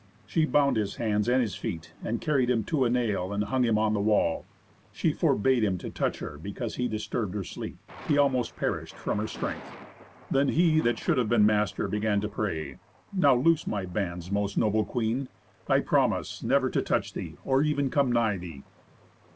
She bound his hands and his feet, and carried him to a nail, and hung him on the wall. She forbade him to touch her because he disturbed her sleep. He almost perished from her strength. Then he that should have been master began to pray, "Now loose my bands, most noble queen. I promise never to touch thee, or even to come nigh thee."